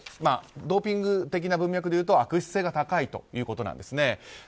ドーピング的な文脈で言うと悪質性が高いということなんです。